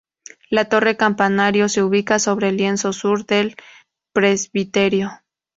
La torre campanario se ubica sobre el lienzo sur del presbiterio.